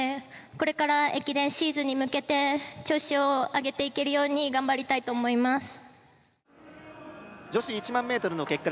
これから駅伝シーズンに向けて調子を上げていけるように頑張りたいと思います女子１００００ｍの結果です